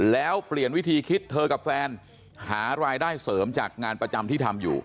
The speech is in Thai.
แล้วเปลี่ยนวิธีคิดเธอกับแฟนหารายได้เสริมจากงานประจำที่ทำอยู่